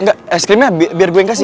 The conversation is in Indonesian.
enggak es krimnya biar gue yang kasih